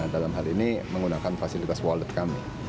dalam hal ini menggunakan fasilitas wallet kami